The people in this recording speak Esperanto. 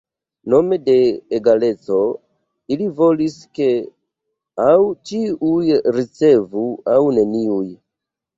Nome de egaleco ili volis ke aŭ ĉiuj ricevu aŭ neniuj.